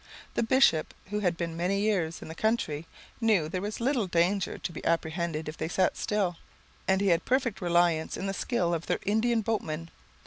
The bishop, who had been many years in the country, knew there was little danger to be apprehended if they sat still, and he had perfect reliance in the skill of their Indian boatman.